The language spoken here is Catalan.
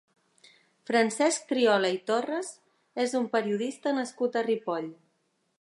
Francesc Triola i Torres és un periodista nascut a Ripoll.